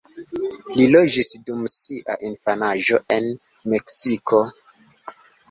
Li loĝis dum sia infanaĝo en Meksiko.